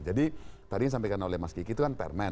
jadi tadi yang disampaikan oleh mas kiki itu kan permen